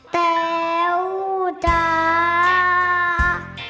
เต๋วจาก